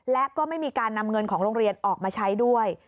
และก็ไม่มีการนำเงินของโรงเรียนออกมาใช้ด้วย